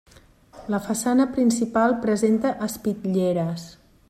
La façana principal presenta espitlleres.